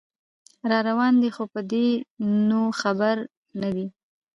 راروان دی خو په دې نو خبر نه دی